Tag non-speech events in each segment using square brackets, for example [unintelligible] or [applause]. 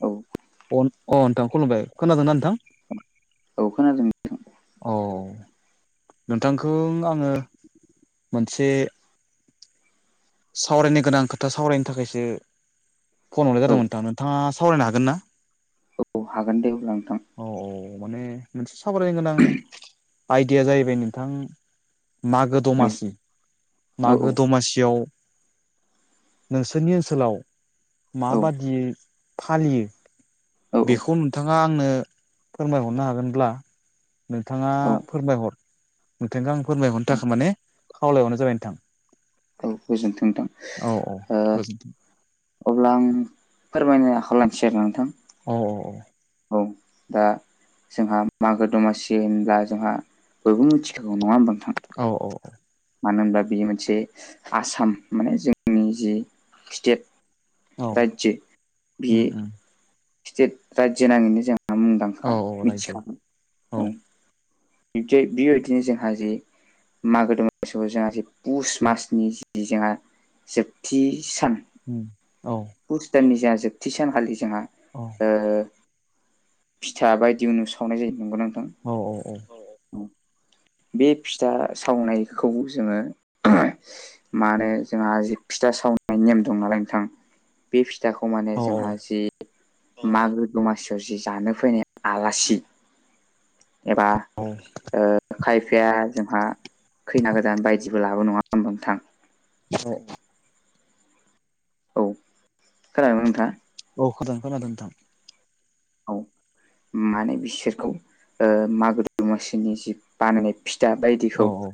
औ अ अ नोंथां खुलुमबाय खोनादोंना नोंथां? औ खोनादों। औ नोंथांखौ आङो मोनसे सावरायनो गोनां खोथा सावरायनो थाखायसो फन हरलाय औ जादोंमोन नोंथां नोंथाङा सावरायनो हागोन ना औ हागोन दे अब्ला नोंथां। औ औ माने मोनसे सावरायनो गोनां आयदिया जाहैबाय नोंथां। मागो औ दमासि औ मागो दमासियाव नोंसोरनि ओनसोलाव औ माबादियै फालियो बेखौ नोंथाङा आंनो फोरमायहरनो हागोनब्ला नोंथाङा औ फोरमायहर नोंथांखौ आं औ फोरमायहरनो थाखाय माने खावलायहरनाय जाबाय नोंथां। औ गोजोन्थों नोंथां औ औ ओ गोजोनथों अब्ला आं फोरमायनो खाथियाव लानिसै आरोना नोंथां औ औ औ दा जोंहा मागो दमासि होनब्ला जोंहा बयबो मिथिखागौ नङा ओमबा नोंथां औ औ मानो होमब्ला बेयो मोनसे आसाम माने जोंनि जि स्टेट औ औ रायजो बे उम उम स्टेट रायजो नाङैनो जोंहा मुंदांखा औ औ रायजो औ बिदिहाय बेबायदिनो जोंहा जे मागो दमासिआव जोंहा पुष मासनि जि जोंहा जोबथि सान औ पुष दाननि जोङा जोबथि सानखालि जोङा अ ओ फिथा बायदि उनु सावनाय जायो नंगोना नोंथां? औ औ औ बे फिथा सावनायखौ जोङो मा होनो जोंहा जि फिथा सावनायनि नेम दं नालाय नोंथां बे फिथाखौ माने औ जोंहा जि मागो दमासियाव जि जानो फैनाय आलासि एबा औ खायफाया जोंहा खैना गोदान बायदिबो लाबो नङा होनथां [inaudible] औ खोनादोंना नोंथाङा। औ खादों खोनादों नोंथां। औ माने बिसोरखौ मागो दमासिनि जि बानायनाय फिथा बायदिखौ औ औ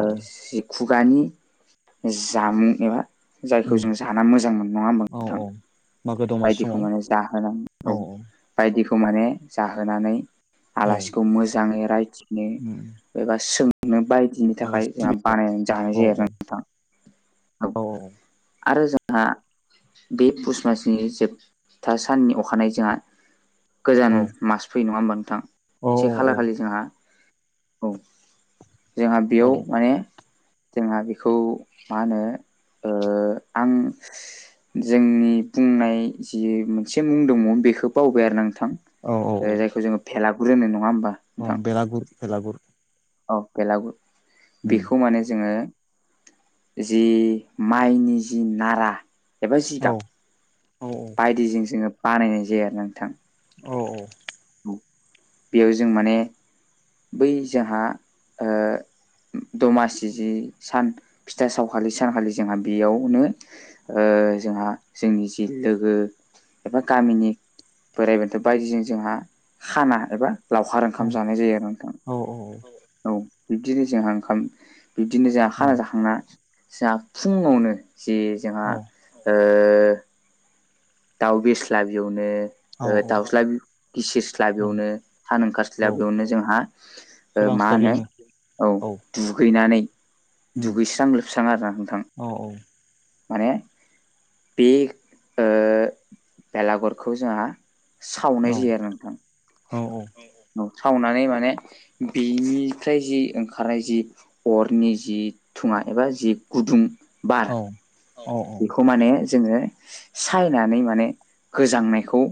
औ जि खुगानि जामुं एबा जायखौ उम जों जा मोजां मोनो नङा औ नोंथां औ मागो दमासि बायदिखौ समाव माने जाहोनानै। औ औ। बायदिखौ माने जाहोनानै औ आलासिखौ मोजाङै रायथिनो उम एबा सोंनो बायदि बिनि थाखाय आलासि जोंहा सिबिनायाव बानायनानै जानाय औ जायो औ आरो ना नोंथां औ आरो जोंहा बे पुस मासनि जोबथा साननि अखानायै जोंहा गोजाम औ मास फैयो नङा होमबा नोंथां औ से खालार खालि जोंहा। औ जोंहा औ बेयाव माने। जोंहा बेखौ मा होनो आं जोंनि बुंनाय जि मोनसे मुं दङ बे बेखौ बावबाय आरो नोंथां औ जायखौ जोङो भेलागुरु होनो नङा होमबा? अ नोंथां बेलागुर बेलागुर औ बेलागुर उम बेखौ माने जोङो। जि माइनि जि नारा एबा औ जिगाब औ बायदिजों जोङो बानायनाय जायो आरो नोंथां। औ औ। बेयाव जों माने बै जोंहा ओ दमासि जि सान फिथा सावखालि सानखालि जोंहा बेयावनो जोंहा जोंनि जि लोगो एबा गामिनि बोराइ बेन्थ' बायदिजों जोंहा खाना एबा लावखार औ ओंखाम जानाय जायो आरो। नोंथां औ औ औ। औ बिब्दिनो जोंहा ओंखाम बिब्दिनो जोंहा खाना जाखांना। जाों फुङावनो जे जोंहा दाउ बेस्ला बेवनो औ दाउस्ला गिसिरस्ला औ बेयावनो सान ओंखारसलि औ बेयावनो जोंहा मा होनो सोरांस्लाबियावनो औ दुगैनानै उम दुगैस्रां लोबस्रां आरो ना नोंथां। औ औ। माने बे बेलागुरखौ जोंहा सावनाय औ जायो आरो नोंथां। औ औ सावनानै माने बिनिफ्राय जि ओंखारनाय जि अरनि जि थुङा एबा जि गुदुं बा औ औ औ बेखौ माने जोङो सायनानै माने गोजांनायखौ।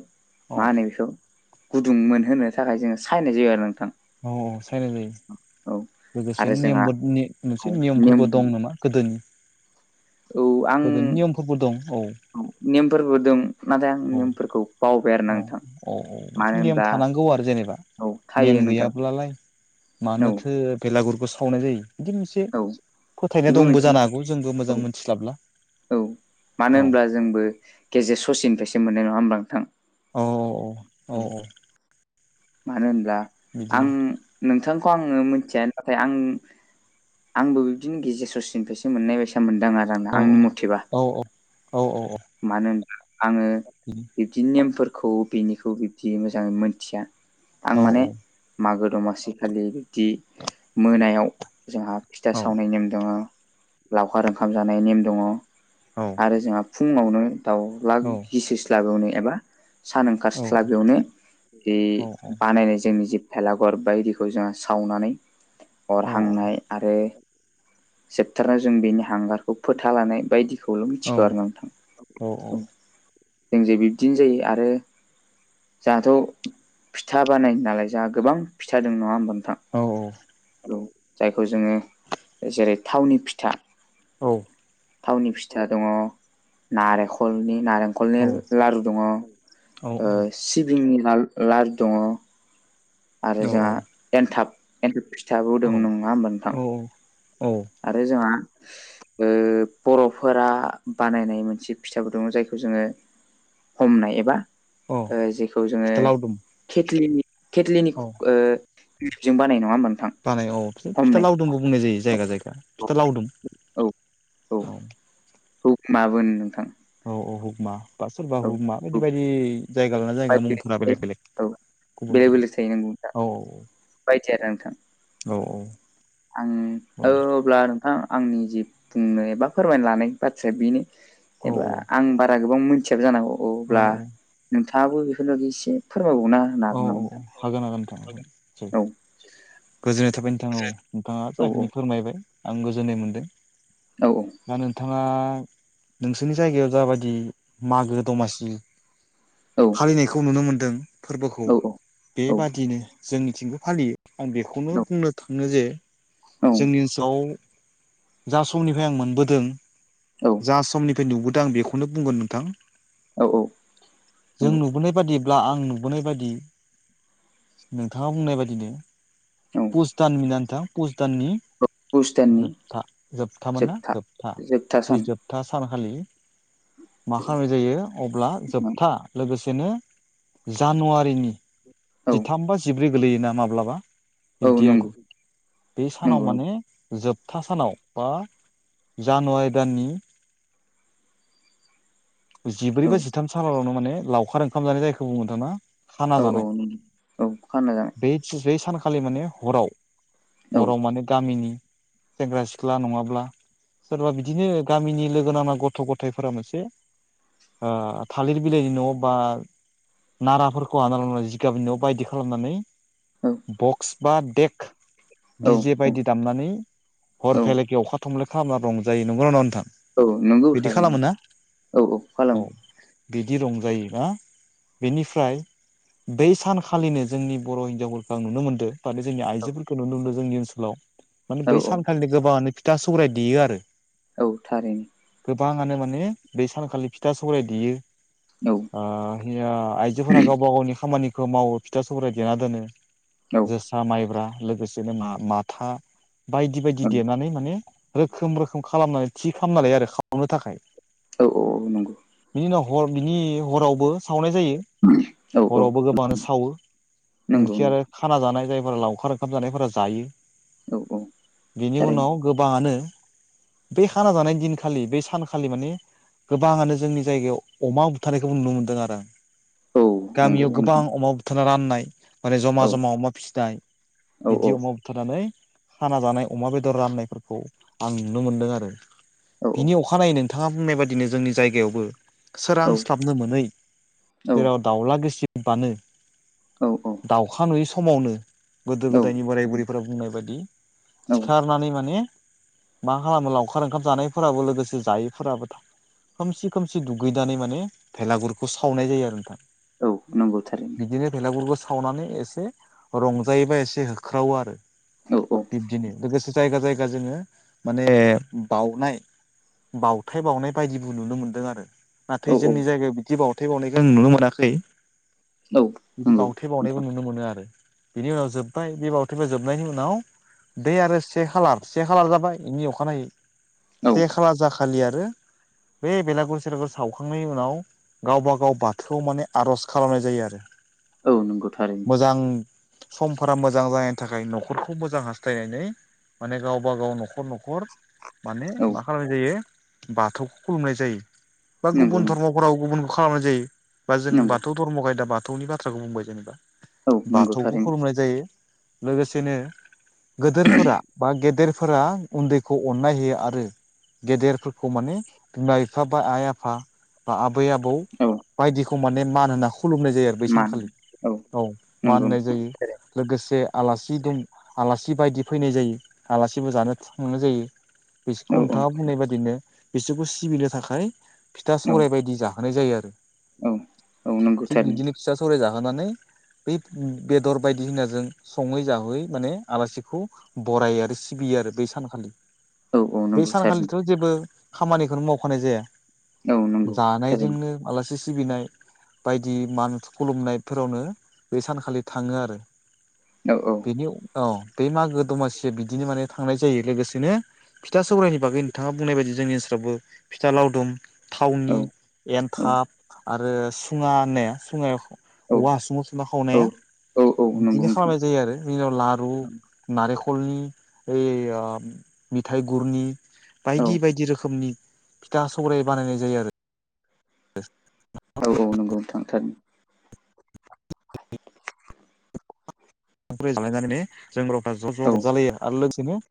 मा औ होनो बेखौ गुदुं मोनहो थाखाय जोङो सायनाय जायो आरो नोंथां। औ औ साइल जायो औ लोगोसे आरो जोंहा नियमबो औ मोनसे नेम नियमफोरबो दं नामा? गोदोनि औ आं गोदोनि नियमफोरबो दं औ नेमफोरबोदों औ औ औ औ मानो निम होनब्ला थानांगौ आरो जेनेबा औ थायो नेम नोंथां गैयाब्लालाय औ मानोथो बेलागुरखौ सावनाय जायो। बिदि मोनसे औ फोथायनाय बेबो दंबो मोनसे जानो हागौ जोंबो औ मोजां मोनथिस्लाबला औ मानो औ होमब्ला जोंबो गेजेर ससेनिफ्रायसो मोननाय नङा होमब्ला नोंथां। औ औ औ औ। मानो होनब्ला आं बिदिनो नोंथांखौ आङो मिथिया नाथाय आं आंबो बिबदिनो गेजेर ससेनिफ्रायसो मोननाय बायसा मोनदां आरो। नो औ आंनि मथेबा औ मानो होनाब्ला आङो बि [inaudible] बिब्दि नेमफोरखौ बिनिखौ बिब्दि मोजाङै मोनथिया। आं औ माने मागो दमासि खालि बिद्बि मोनायाव जाहा फिथा औ सावनाय नेम दङ', लावखार ओंखाम जानाय नेम दङ' औ। आरो जोंहा फुङावनो दाउला औ गिसिस्लाबियावनो एबा सान औ ओंखारस्लाबियावनो दि औ बानायनाय जोंनि जि भेलागर बायदिखौ जोङो सावनानै अर हांनाय आरो सेपटाराव जों बेनि हांगारखौ फोथा लानाय बायदिखौ खौल' मिथिखौ आरो ना नोंथां औ जों जे बिब्दिनो जायो आरो जाहाथ' फिथा बानाय नालाय जाहा गोबां फिथा दों नङा होमबा नोंथां। औ औ औ जायखौ जोङो ओ जेरै थावनि फिथा औ थावनि फिथा दङ' नारेखनि नारेंखलनि औ लारु दङ' ओ औ औ सि सिबिंनि लारू दङ' औ आरो जोंहा एन्थाब एन्थाब फिथाबो औ दङ नङा होमबा नोंथां औ औ औ आरो जोंहा ओ बर'फोरा बानायनाय मोनसे फिथाबो दङ' जायखौ जोङो हमनाय एबा औ ओ जेखौ जोङो फिथा लावदुम खेथ्लिनि खेथ्लिनि औ खु ओ जों बानाय नङा होमबा नोंथां। बानाय औ बिदि फिथा हमनाय लावदुमबो बुंनाय जायो जायगा जायगा फिथा लावदुम। औ औ औ हुगमाबो होनो नोंथां। औ औ हुगमा बा सोरबा औ हुगमा बियदि औ बायदि जायगा लाना जायगा मुंफोरा बेलेग बेलेग गुबुन गुबुन औ औ। बायदिया नांथां। औ औ। आं औ अब्ला थां आंनि जि बुंनो एबा फोरमायनो लानाय बाथ्राया बेनो औ एबा आं बारा गोबां मोनथियाबो जानांगौ अ औ औ अब्ला नोंथाङाबो बेफोरनि बागै एसे फोरमायबावनो हागोन औ नामा औ औ नोंथां हागोन हागोन थां नोसै औ गोजोननाय थाबाय नो बिथां औ नोंथाङा औ जाखिनि फोरमायबाय आं गोजोननाय मोन्दों। औ औ दा नोंथाङा नोंसोरनि जायगायाव जा बादि मागो दमासि औ फालिनायखौ नुनो मोनदों फोरबोखौ औ बेबादियैनो जोंनिथिंबो फालियो। आं बेखौनो बुंनो थाङो जे औ जोंनि ओनसोलाव जा समनिफ्राय आं मोनबोदों औ जा समनिफ्राय नुबोदों आं बेखौनो बुंगोन नोंथां। औ नंगौ जों नुबोनाय बादिब्ला आं न नुबोनाय बायदि नोंथाङा बुंनाय बादिनो औ पुस दान [unintelligible] नोंथां पुस दाननि पुस दाननि जोबथा जोबथामोन ना जोबथा जोबथा बे सान जोबथा जोबथा सानखालि मा खालामनाय जायो अब्ला जोबथा लोगोसेनो जानुवारिनि औ जिथाम बा जिब्रै गोलैयोना माब्लाबा औ बिब्दि आरो नंगौ बे सानाव नंगौ माने जोबथा सानाव बा जानुवारि दाननि जिब्रै नंगौ औ बा जिथाम सानावनो माने लावखार ओंखाम जानाय जायो था खाना औ औ जानाय नंगौ औ खाना जानाय बे बे सानखालि माने हराव औ हराव माने गामिनि सेंग्रा सिख्ला नङाब्ला सोरबा बिदिनो गामिनि लोगो नांना गथ' गथायफोरा मोनसे थालिर बिलाइनि न' बा नाराफोरखौ हाना लानानै जिगाबनि न' बायदि खालामनानै औ बक्स बा देक्क औ दि जे औ बायदि दामनानै हर औ फालागे अखा थमले खालामना रंजायो नंगौना ना नोंथां औ नोंगौ बिदि खालामो ना थारैनो औ औ खालामो बिदि रंजायोबा बेनिफ्राय बै सानखालिनो जोंनि बर' हिनजावफोरखौ आं नुनो मोनदों माने जोंनि औ आइजोफोरखौ नुनो मोनदों जोंनि ओनसोलाव माने औ बै औ सानखालि गोबाङानो फिथा सौराय देयो आरो औ थारैनो गोबाङानो माने बै सानखालि फिथा सौराय देयो औ हया आइजोफोरा गावबा गावनि खामानिखौ मावो फिथा सौराय देना दोनो औ जोसा माइब्रा लोगोसे नों माथा बायदि बायदि ओं देनानै माने रोखोम रोखोम खालामनानै थि खालामना लायो आरो खालामनो थाखाय औ औ औ नंगौ बिनि उनाव हर बिनि हरावबो सावनाय जायो औ औ हरावबो गोबाङानो सावो नंगौ नोंखि आरो नंगौ खाना जानाय जायफोरा लावखार ओंखाम जानायफोरा जायो औ औ बेनि उनाव थारैनो गोबाङानो बे खाना जानाय दिनखालि बे सानखालि माने गोबाङानो जोंनि जायगायाव अमा बुथारनायखौ नुनो मोनदों आरो औ नंगौ गामियाव गोबां नंगौ अमा बुथारना राननाय माने औ जमा जमा अमा फिनाय औ बिदि अमा होबथनानै खाना जानाय अमा बेदर राननायफोरखौ आं नुनो मोनदों आरो औ बिनि अखानायै नोंथाङा बुंनाय बायदिनो जोंनि जायगायावबो औ सोरांस्लाबनो मोनै जेराव दाउला गोसिबानो औ औ दाउखा नुयै समावनो गोदो गोदायनि बोराय औ बुरैफोरा बुंनाय बायदि औ सिखारनानै माने मा खालामो लावखार ओंखाम जानायफोराबो लोगोसे जायैफोराबो थां खोमसि खोमसि दुगैनानै माने भेलागुरखौ सावनाय जायो आरो नोंथां औ नंगौ थारैनो बिदिनो फिलागुरफोरखौ सावनानै एसे रंजायोबा एसे होख्रावो आरो औ बिब्दिनो लोगोसे जायगा जायगा जोङो माने बउनाय बावथाय बावनाय बायदिबो नुनो मोनदों आरो औ नाथाय औ जोंनि जायगायाव बिदि बावथाय बावनायखौ नुनो मोनाखै औ बिदि नंगौ बावथे नोंथां बावनायबो नुनो मोनो आरो बिनि उनाव जोब्बाय बे बावथिफ जोबनायनि उनाव बे आरो से खालार से खालार जाबाय बेनि अखानायै औ से खाला जाखालि आरो बे बेलागुर सेलागुर सावखांनायनि उनाव गावबा गाव बाथौआव माने आर'ज खालामनाय जायो आरो औ नंगौ थारैनो मोजां समफोरा मोजां जानायनि थाखाय न'खरखौ मोजां हास्थायनानै माने गावबा गाव न'खर न'खर माने औ मा खालामनाय जायो बाथौखौ खुलुमनाय जायो बा नंगौ गुबुन नंगौ धर्माव हराव गुबुनखौ खालामनाय जायो बा जों नंगौ बाथौ धर्म खायदा बाथौनि बाथ्राखौ बुंबाय जेनेबा औ नंगौ बाथौखौ थारैनो खुलुमनाय जायो लोगोसेनो गेदेरफोरा बा गेदेरफोरा उन्दैखौ अननाय होयो आरो गेदेरफोरखौ माने बिमा बिफा बा आइ आफा बा आबै आबौ औ बायदिखौ माने मान होना खुलुमनाय जायो आरो बै मान सानखालि औ मा नंगौ होननाय जायो लोगोसे आलासि दं आलासि बायदि फैनाय जायो आलासिबो जानो थांनाय जायो। औ बिसोरखौ औ नोंथाङा बुंनाय बाददिनो बिसोरखौ सिबिनो थाखाय फिथा औ सराय बायदि जाहोनाय जायो आरो औ औ नंगौ थिग थारैनो बिदिनो फिसा सौराय जाहोनानै बै बेदर बायदि होनना जों सङै जाहोयै माने आलासिखौ बरायो आरो सिबियो आरो बै सानखालि औ औ बे नंगौ थारैनो सानखालिथ' जेबो खामानिखौनो मावखानाय जाया। औ नंगौ थारैनो जानायजोंनो मालासे सिबिनाय बायदि मान खुलुमनायफोरावनो बे सानखालि थाङो आरो औ औ। बेनि औ बे मागो दमासिया बिदिनो माने थांनाय जायो लोगोसेनो फिथा सौरायनि बागै नोंथाङा बुंनाय बायदि जोंनि ओनसोलावबो फिथा लावदुम औ थावनि एन्थाब आरो सुङा ने सुङायाव औ औवा हासुङाव संना खावनाया औ औ नंगौ बिदिनो नोंथां खालामनाय जायो आरो बिनिनाव लारु नारेंखलनि ओइ मिथाइ गुरनि औ बायदि बायदि रोखोमनि फिथा सौराय बानायनाय जायो आरो औ औ नंगौ थांथार। सख्रि जालायनानै जों रावफ्रा ज' ज' रजालायो आरो लोगोसेनो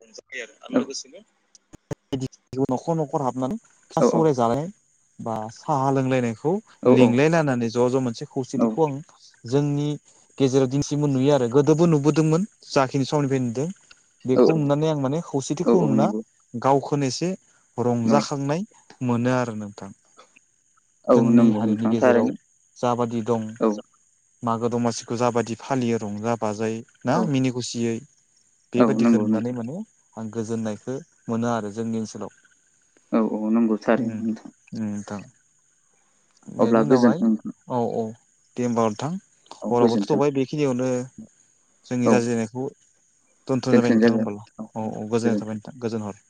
आला गोसिनो [unintelligible] बाय न'खर न'खर हाबनानै थ सौराय औ जानाय बा साहा लोंलायनायखौ लिंलायनानानै ज' ज' मोनसे खौसेथिखौ आं जोंनि गेजेराव दिनसिमबो नुयो आरो गोदोबो नुबोदोंमोन जाखिनि समनिफ्राय नुदों। औ बेखौ नुनानै आं माने खौसेथिखौ औ नुना नंगौ गावखौनो एसे रंजाखांनाय मोनो आरो नों औ जोंनि नंगौ हारिनि नोंथां थारैनो गेजेराव जाबादि दं। औ मागो दमासिखौ जाबायदि फालियो रंजा बाजायै ना औ मिनि खुसियै औ बेबायादिखौ नंगौ नुनानै माने आं गोजोननायखौ मोनो आरो जोंनि ओनसोलाव नोंथां औ नंगौ थारैनो उम नोंथां उम नोंथां। अब्ला बेनि उनावहाय गोजोन्थों नोंथां औ औ दे होमबा नोंथां औ हरावथ' गोजोन्थों थाय बेखिनियावनो जोंनि औ रायज्लायनायखौ दोनथ्र'न जाबाय नोंथां होमबाल औ औ गोजोननाय थाबाय नोंथां गोजोन हर